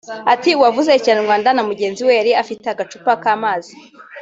Ati “Uwavuze Ikinyarwanda na mugenzi we yari afite agacupa k’amazi